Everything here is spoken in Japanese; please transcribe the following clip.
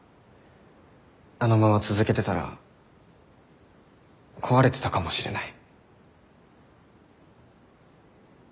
あのまま続けてたら壊れてたかもしれない。